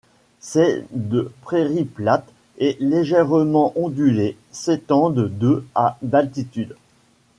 Ses de prairies plates et légèrement ondulées s'étendent de à d'altitude.